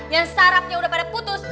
yang sarapnya udah pada putus